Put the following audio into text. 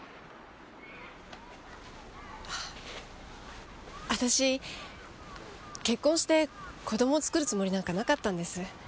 あたし結婚して子ども作るつもりなんかなかったんです。